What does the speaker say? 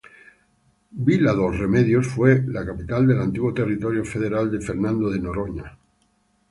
Vila dos Remedios fue la capital del antiguo Territorio Federal de Fernando de Noronha.